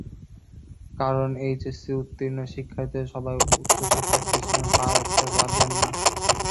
কারণ, এইচএসসি উত্তীর্ণ শিক্ষার্থীদের সবাই উচ্চশিক্ষা প্রতিষ্ঠানে পা রাখতে পারবেন না।